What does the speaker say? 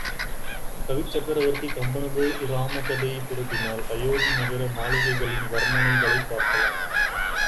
கவிச்சக்கரவர்த்தி கம்பனது இராம கதையைப் புரட்டினால், அயோத்தி நகர மாளிகைகளின் வர்ணனைகளைப் பார்க்கலாம்.